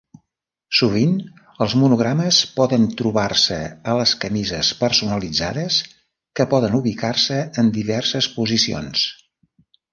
Sovint els monogrames poden trobar-se a les camises personalitzades que poden ubicar-se en diverses posicions.